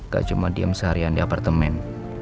gak cuma diem seharian di apartemen